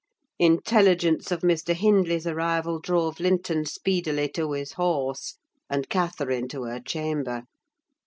Intelligence of Mr. Hindley's arrival drove Linton speedily to his horse, and Catherine to her chamber.